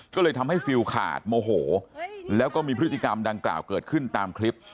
ก็เลยทำให้ฟิลขาดโมโหแล้วก็มีพฤติกรรมดังกล่าวเกิดขึ้นตามคลิป